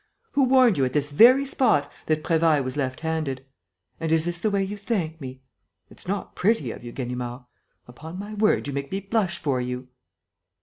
Who warned you, at this very spot, that Prévailles was left handed?... And is this the way you thank me? It's not pretty of you, Ganimard. Upon my word, you make me blush for you!"